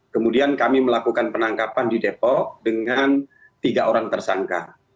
kemudian kami melakukan penangkapan di depok dengan tiga orang tersangka